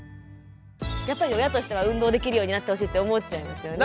やっぱり親としては運動できるようになってほしいって思っちゃいますよね。